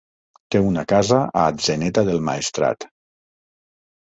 Té una casa a Atzeneta del Maestrat.